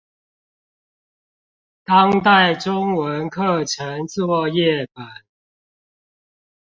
當代中文課程作業本